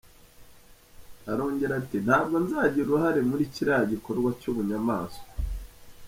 Arongera ati: “Ntabwo nzagira uruhare muri kiriya gikorwa cy’ubunyamanswa!”